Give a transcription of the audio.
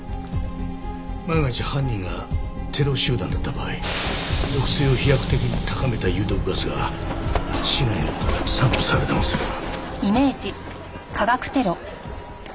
万が一犯人がテロ集団だった場合毒性を飛躍的に高めた有毒ガスが市内に散布されでもすれば。